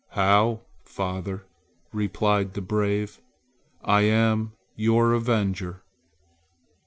"How, father," replied the brave; "I am your avenger!"